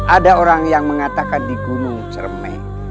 ada orang yang mengatakan di gunung cermai